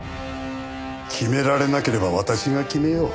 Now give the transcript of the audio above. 決められなければ私が決めよう。